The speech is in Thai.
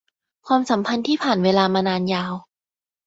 ความสัมพันธ์ที่ผ่านเวลามานานยาว